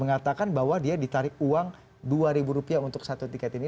mengatakan bahwa dia ditarik uang rp dua untuk satu tiket ini